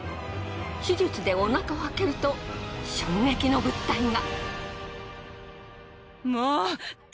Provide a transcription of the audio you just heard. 手術でお腹を開けると衝撃の物体が！